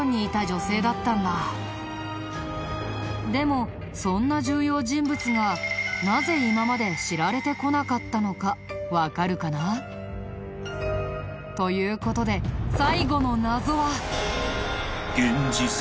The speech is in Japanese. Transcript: でもそんな重要人物がなぜ今まで知られてこなかったのかわかるかな？という事で最後の謎は。